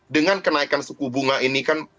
dengan kenaikan suku bunga ini kan